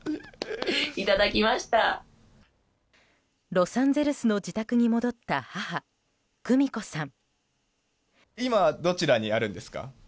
ロサンゼルスの自宅に戻った母・久美子さん。